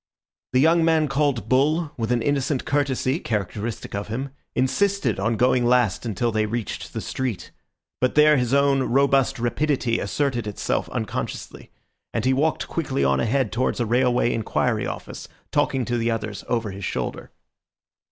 The young man called Bull, with an innocent courtesy characteristic of him, insisted on going last until they reached the street; but there his own robust rapidity asserted itself unconsciously, and he walked quickly on ahead towards a railway inquiry office, talking to the others over his shoulder.